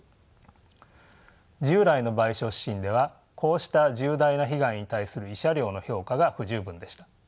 従来の賠償指針ではこうした重大な被害に対する慰謝料の評価が不十分でした。